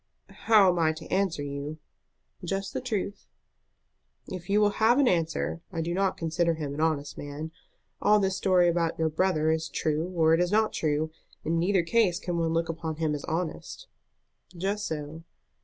"How am I to answer you?" "Just the truth." "If you will have an answer, I do not consider him an honest man. All this story about your brother is true or is not true. In neither case can one look upon him as honest." "Just so."